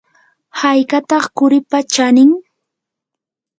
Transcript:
¿haykataq quripa chanin?